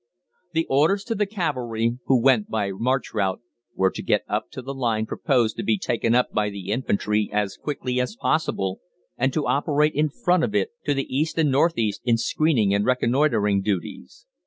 The orders to the cavalry who went by march route were to get up to the line proposed to be taken up by the infantry as quickly as possible, and to operate in front of it to the east and north east in screening and reconnoitring duties.